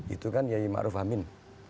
itu kan yai maruf amin